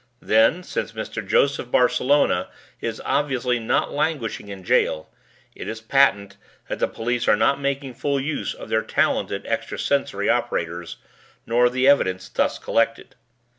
Then since Mr. Joseph Barcelona is obviously not languishing in jail, it is patent that the police are not making full use of their talented extrasensory operators, nor the evidence thus collected.